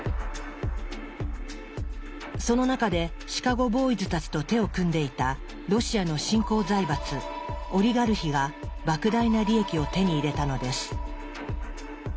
その中でシカゴ・ボーイズたちと手を組んでいたロシアの新興財閥オリガルヒが莫大な利益を手に入れたのです。